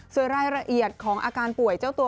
ส่วนรายละเอียดของอาการป่วยเจ้าตัว